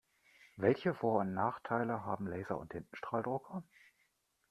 Welche Vor- und Nachteile haben Laser- und Tintenstrahldrucker?